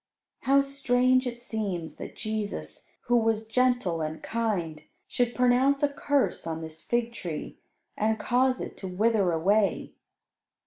How strange it seems that Jesus, who was gentle and kind, should pronounce a curse on this fig tree, and cause it to wither away.